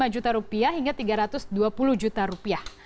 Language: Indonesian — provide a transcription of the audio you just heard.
satu ratus delapan puluh lima juta rupiah hingga tiga ratus dua puluh juta rupiah